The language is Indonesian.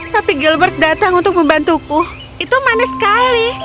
tapi gilbert datang untuk membantuku itu manis sekali